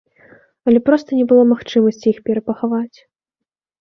Але проста не было магчымасці іх перапахаваць.